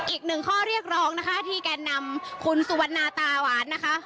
อีกหนึ่งข้อเรียกร้องนะคะที่แกนนำคุณสุวรรณาตาหวานนะคะ